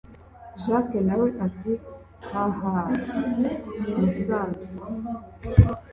jack nawe ati hahahaa msaza